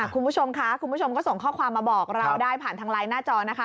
คุณผู้ชมค่ะคุณผู้ชมก็ส่งข้อความมาบอกเราได้ผ่านทางไลน์หน้าจอนะคะ